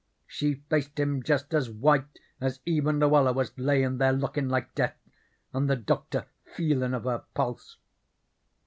She faced him jest as white as even Luella was layin' there lookin' like death and the Doctor feelin' of her pulse.